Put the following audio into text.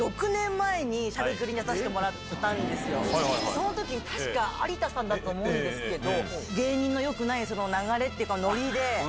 その時に確か有田さんだと思うんですけど。